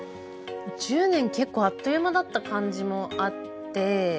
１０年結構あっという間だった感じもあって。